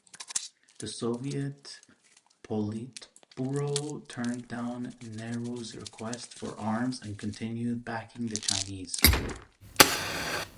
The Soviet Politburo turned down Nehru's request for arms and continued backing the Chinese.